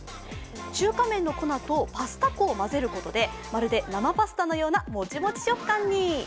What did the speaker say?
中華麺の粉とパスタ粉を混ぜることでまるでパスタのようなもちもち食感に。